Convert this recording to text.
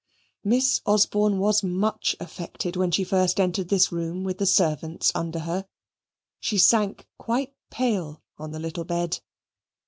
Miss Osborne was much affected when she first entered this room with the servants under her. She sank quite pale on the little bed.